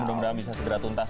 mudah mudahan bisa segera tuntas